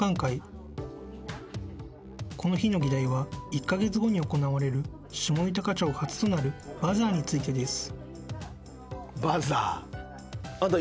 ［この日の議題は１カ月後に行われる下豊町初となるバザーについてです］